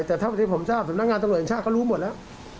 แต่เท่าที่ผมทราบสำนักงานตำรวจแห่งชาติก็รู้หมดแล้ว